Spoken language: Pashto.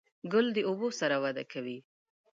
ګل د اوبو سره وده کوي.